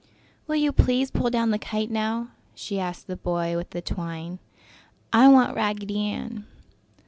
"Will you please pull down the kite now?" she asked the boy with the twine. "I want Raggedy Ann."